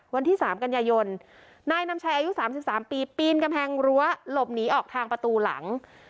วันที่๓กันยายนนายนำชัยอายุ๓๓ปีปีนกำแพงรั้วหลบหนีออกทางประตูหลัง